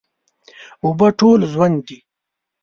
اوبه ټول ژوند دي.